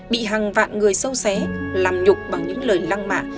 bị hàng vạn người sâu xé làm nhục bằng những lời lăng mạ